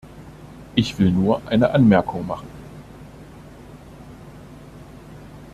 Ich will nur eine Anmerkung machen.